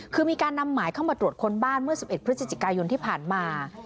คือมีการนำหมายเข้ามาตรวจค้นบ้านเมื่อ๑๑พฤศจิกายนที่ผ่านมา